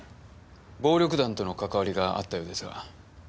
暴力団とのかかわりがあったようですが。